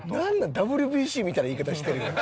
ＷＢＣみたいな言い方してるやん。